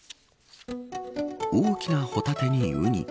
大きなホタテにウニ。